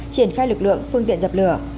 triển khai lực lượng phương tiện dập lửa